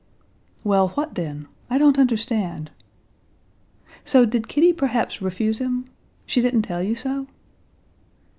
"Well, what then? I don't understand...." "So did Kitty perhaps refuse him?... She didn't tell you so?"